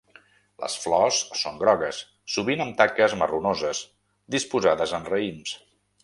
Les flors són grogues, sovint amb taques marronoses, disposades en raïms.